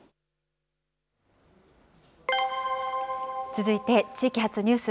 続いて地域発ニュース。